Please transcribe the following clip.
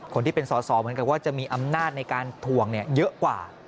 คนที่เป็นสอสอเหมือนกับว่าจะมีอำนาจในการถวงเยอะกว่า